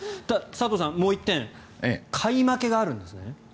佐藤さん、もう１点買い負けがあるんですね。